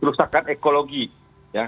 kerusakan ekologi ya